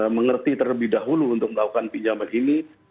mengerti terlebih dahulu untuk melakukan pinjaman ini